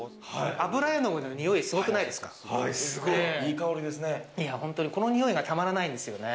油絵の具のにおいいい香りですね。